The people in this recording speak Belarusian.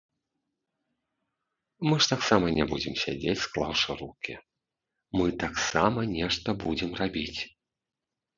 Мы ж таксама не будзем сядзець склаўшы рукі, мы таксама нешта будзем рабіць.